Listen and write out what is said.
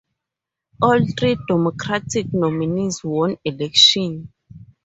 All three Democratic nominees won election.